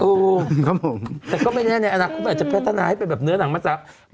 แต่ก็ไม่แน่อาจจะพัฒนาให้เป็นเนื้อหนังมังสาว